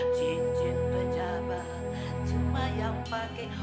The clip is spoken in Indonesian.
cincin pejabat cuma yang pakai